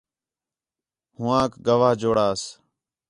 ہوآنک گواہ جوڑاس